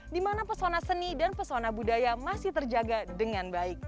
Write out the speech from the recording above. di mana pesona seni dan pesona budaya masih terjaga dengan baik